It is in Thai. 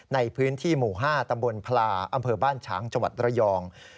ในพื้นที่หมู่๕ตำบลพลาอำเภอบ้านฉางจังหวัดระยอง